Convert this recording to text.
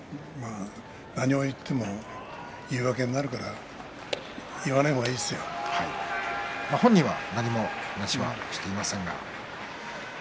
何を言っても言い訳になるから本人は何も話はしていませんが。